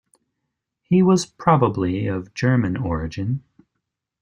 He was probably of German origin.